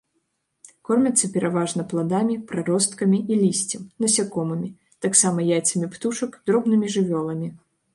Кормяцца пераважна пладамі, праросткамі і лісцем, насякомымі, таксама яйцамі птушак, дробнымі жывёламі.